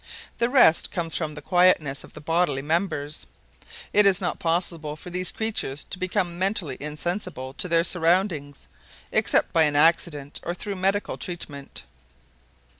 The rest comes from the quietness of the bodily members. It is not even possible for these creatures to become mentally insensible to their surroundings, except by an accident or through medical treatment.